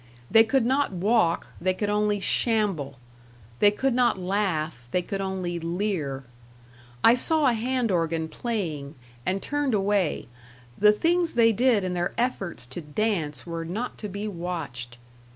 They could not walk, they could only shamble; they could not laugh, they could only leer. I saw a hand organ playing, and turned away the things they did in their efforts to dance were not to be watched.